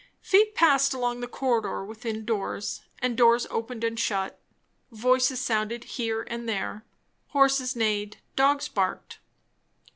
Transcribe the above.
Feet passed along the corridor within doors, and doors opened and shut, voices sounded here and there, horses neighed, dogs barked.